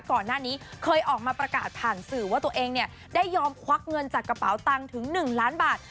ก่อนหน้านี้เคยออกมาประกาศผ่านสื่อว่าตัวเองเนี่ยได้ยอมควักเงินจากกระเป๋าตังค์ถึง๑ล้านบาท